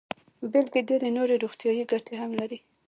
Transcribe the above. بلکې ډېرې نورې روغتیايي ګټې هم لري.